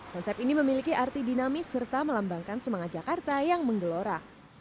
konsep ini memiliki arti dinamis serta melambangkan semangat jakarta yang menggelora